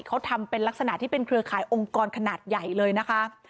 เขาทำเป็นลักษณะที่เป็นเครือข่ายองค์กรขนาดใหญ่เลยนะคะ